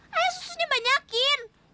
ayah susunya banyakin